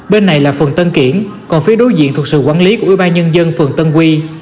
bên này là phần tân kiển còn phía đối diện thuộc sự quản lý của ưu ba nhân dân phường tân quy